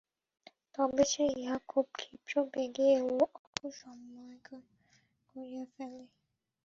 তবে সে ইহা খুব ক্ষিপ্র বেগে ও অল্প সময়ে করিয়া ফেলে।